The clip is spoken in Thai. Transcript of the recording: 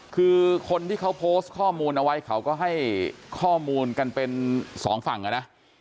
คือคนที่เขาโพสต์ข้อมูลเอาไว้เขาก็ให้ข้อมูลกันเป็นสองฝั่งนะ